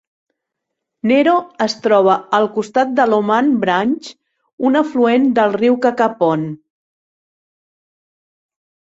Nero es troba al costat de Loman Branch, un afluent del riu Cacapon.